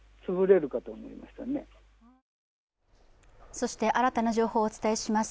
そして新たな情報をお伝えします。